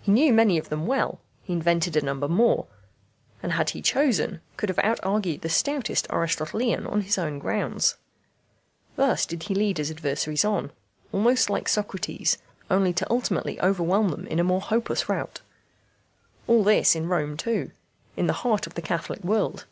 He knew many of them well, he invented a number more, and had he chosen could have out argued the stoutest Aristotelian on his own grounds. Thus did he lead his adversaries on, almost like Socrates, only to ultimately overwhelm them in a more hopeless rout. All this in Rome too, in the heart of the Catholic world.